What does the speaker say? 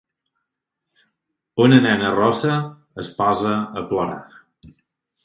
Una nena rossa es posa a plorar.